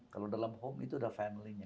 kalau dalam home itu ada friendly nya